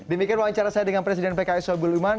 demikian wawancara saya dengan presiden pks soebul iman